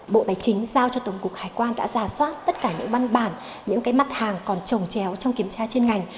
bộ tài chính giao cho tổng cục hải quan đã giả soát tất cả những văn bản những mặt hàng còn trồng chéo trong kiểm tra chuyên ngành